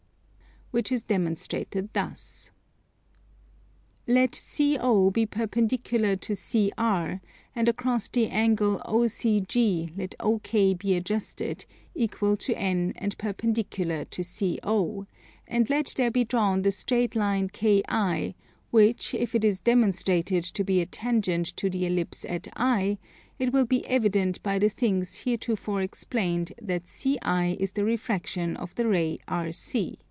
Which is demonstrated thus. Let CO be perpendicular to CR, and across the angle OCG let OK be adjusted, equal to N and perpendicular to CO, and let there be drawn the straight line KI, which if it is demonstrated to be a tangent to the Ellipse at I, it will be evident by the things heretofore explained that CI is the refraction of the ray RC.